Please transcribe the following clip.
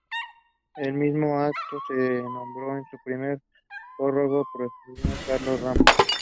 The whereabouts of her original paintings is unknown.